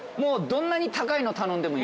どんなに高いの頼んでも？